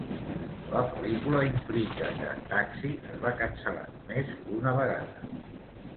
La pel·lícula implica que "Taxi" es va cancel·lar només una vegada.